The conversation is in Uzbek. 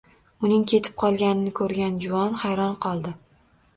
Uning ketib qolganini koʻrgan juvon hayron qoldi